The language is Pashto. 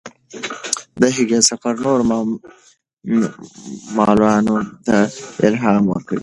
د هغې سفر نورو معلولانو ته الهام ورکوي.